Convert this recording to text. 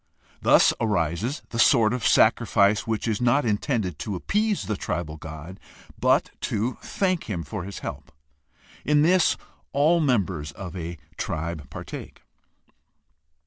Thus arises the sort of sacrifice which is not intended to appease the tribal god, but to thank him for his help. In this all members of a tribe partake.